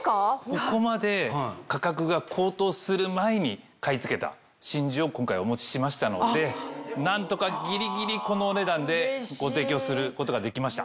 ここまで価格が高騰する前に買い付けた真珠を今回お持ちしましたので何とかギリギリこのお値段でご提供することができました。